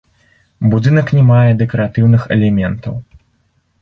Будынак не мае дэкаратыўных элементаў.